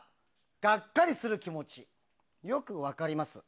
がっかりする気持ちよく分かります。